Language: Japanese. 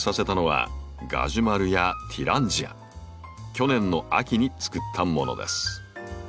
去年の秋につくったものです。